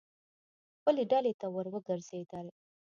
خپلې ډلې ته ور وګرځېدل.